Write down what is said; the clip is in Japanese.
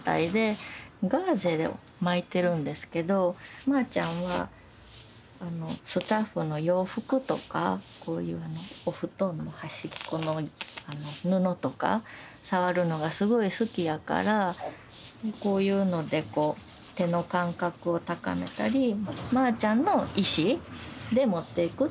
ガーゼを巻いてるんですけどまあちゃんはスタッフの洋服とかこういうあのお布団の端っこの布とか触るのがすごい好きやからこういうのでこう手の感覚を高めたりまあちゃんの意思で持っていくというの大事にしたり。